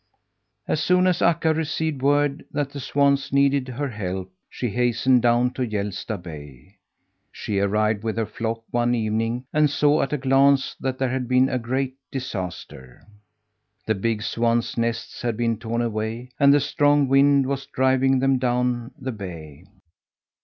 As soon as Akka received word that the swans needed her help, she hastened down to Hjälsta Bay. She arrived with her flock one evening and saw at a glance that there had been a great disaster. The big swans' nests had been torn away, and the strong wind was driving them down the bay.